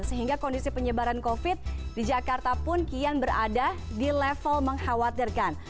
sehingga kondisi penyebaran covid di jakarta pun kian berada di level mengkhawatirkan